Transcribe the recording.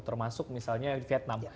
termasuk misalnya vietnam